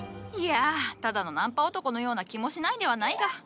いやただのナンパ男のような気もしないではないが。